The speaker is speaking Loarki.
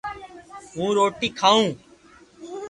ھون روٽي کاو